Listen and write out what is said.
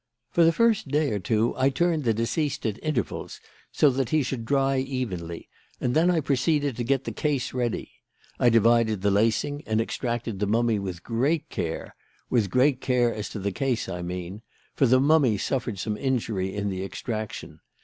For the first day or two I turned the deceased at intervals so that he should dry evenly, and then I proceeded to get the case ready. I divided the lacing and extracted the mummy with great care with great care as to the case, I mean; for the mummy suffered some injury in the extraction.